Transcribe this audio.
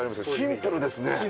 シンプルですね。